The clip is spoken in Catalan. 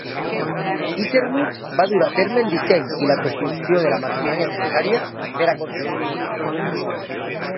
Isherwood va dur a terme el disseny i la construcció de la maquinària necessària per aconseguir-ho.